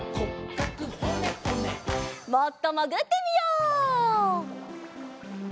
もっともぐってみよう。